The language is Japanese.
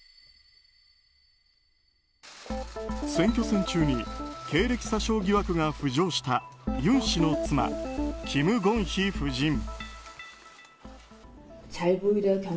選挙戦中に経歴詐称疑惑が浮上した尹氏の妻・キム・ゴンヒ夫人。